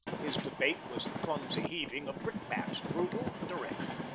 His debate was the clumsy heaving of brickbats, brutal, direct.